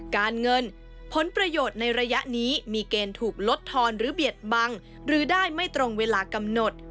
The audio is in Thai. การเงินผลประโยชน์ในระยะนี้มีเกณฑ์ถูกลดทอนหรือเบียดบังหรือได้ไม่ตรงเวลากำหนด